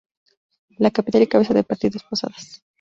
La capital y cabeza de partido es Posadas.